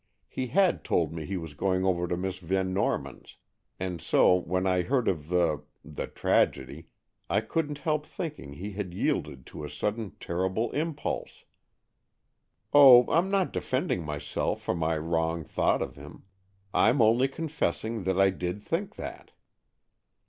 He had told me he was going over to Miss Van Norman's, and so, when I heard of the—the tragedy—I couldn't help thinking he had yielded to a sudden terrible impulse. Oh, I'm not defending myself for my wrong thought of him; I'm only confessing that I did think that."